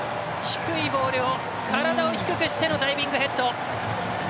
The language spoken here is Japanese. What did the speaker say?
低いボールを体を低くしてのダイビングヘッド。